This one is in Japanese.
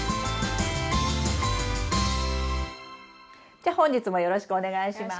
じゃ本日もよろしくお願いします。